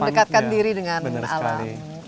mendekatkan diri dengan alam